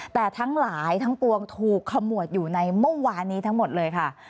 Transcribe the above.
แต่ทั้งหลายทั้งปวงถูกขมวดอยู่ในเมื่อวานนี้ทั้งหมดเลยค่ะ